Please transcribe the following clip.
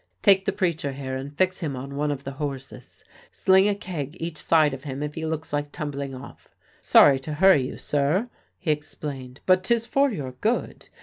"Take the preacher here and fix him on one of the horses; sling a keg each side of him if he looks like tumbling off. Sorry to hurry you, sir," he explained; "but 'tis for your good.